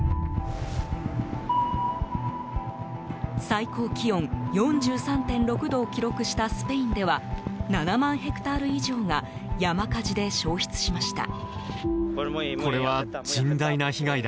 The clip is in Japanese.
最高気温４３．６度を記録したスペインでは７万ヘクタール以上が山火事で焼失しました。